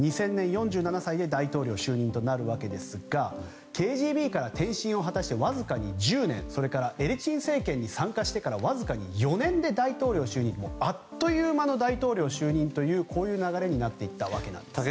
２０００年、４７歳で大統領就任となるわけですがＫＧＢから転身を果たしてわずか１０年エリツィン政権に参加してからわずか４年で大統領就任とあっという間の大統領就任という流れになっていったわけです。